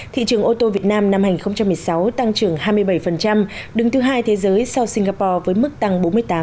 thị trường ô tô việt nam năm hai nghìn một mươi sáu tăng trưởng hai mươi bảy đứng thứ hai thế giới sau singapore với mức tăng bốn mươi tám